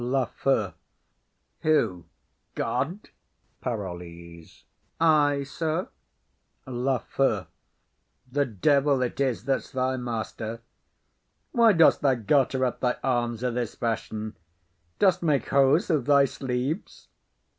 LAFEW. Who? God? PAROLLES. Ay, sir. LAFEW. The devil it is that's thy master. Why dost thou garter up thy arms o' this fashion? Dost make hose of thy sleeves?